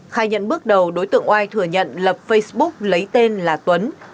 khai nhận bước đầu đối tượng oai thừa nhận lập facebook lấy tên là tuấn